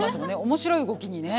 面白い動きにね。